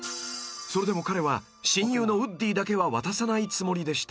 ［それでも彼は親友のウッディだけは渡さないつもりでした］